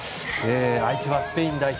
相手はスペイン代表。